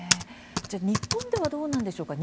じゃあ、日本ではどうなんでしょうか。